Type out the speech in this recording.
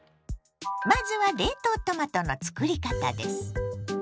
まずは冷凍トマトのつくり方です。